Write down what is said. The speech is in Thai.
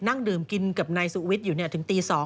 นั่งดื่มกินกับนายสุวิทย์อยู่ถึงตี๒